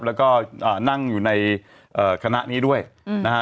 แล้วก็นั่งอยู่ในคณะนี้ด้วยนะฮะ